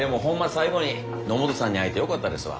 最後に野本さんに会えてよかったですわ。